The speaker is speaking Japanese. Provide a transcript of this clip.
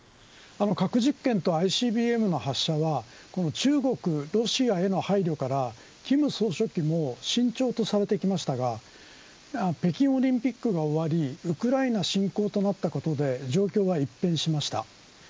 核実験とＩＣＢＭの発射は中国、ロシアへの配慮から金総書記も慎重とされてきましたが北京オリンピックが終わりウクライナ侵攻となったことで状況は一変しました。